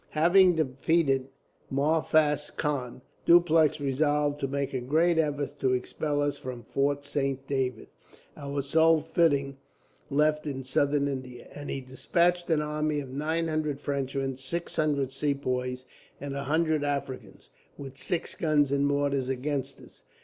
"Having defeated Maphuz Khan, Dupleix resolved to make a great effort to expel us from Fort Saint David, our sole footing left in Southern India; and he despatched an army of nine hundred Frenchmen, six hundred Sepoys, and a hundred Africans, with six guns and mortars, against us.